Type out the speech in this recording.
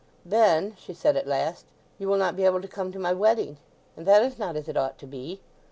"Then," she said at last, "you will not be able to come to my wedding; and that is not as it ought to be."